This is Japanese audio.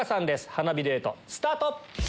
花火デートスタート。